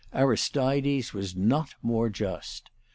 Aristides was not more just.